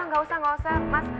gak usah gak usah mas